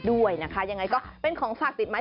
ด้วยนะคะยังไงก็เป็นของฝากติดไม้